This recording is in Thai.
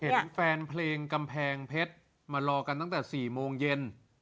เห็นแฟนเพลงกำแพงเพชรมารอกันตั้งแต่๔โมงเย็น